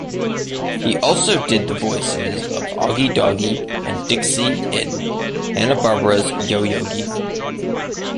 He also did the voices of Augie Doggie and Dixie in Hanna-Barbera's Yo Yogi!